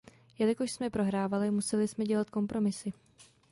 Jelikož jsme prohrávali, museli jsme dělat kompromisy.